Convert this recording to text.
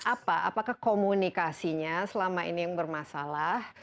apa apakah komunikasinya selama ini yang bermasalah